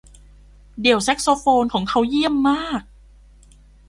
เดี่ยวแซกโซโฟนของเขาเยี่ยมมาก